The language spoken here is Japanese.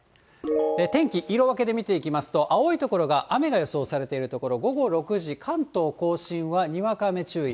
天気、色分けで見ていきますと、青い所が雨が予想されている所、午後６時、関東甲信はにわか雨注意。